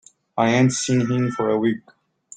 I ain't seen him for a week.